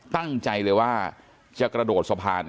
ตั้งใจเลยว่าจะกระโดดสะพาน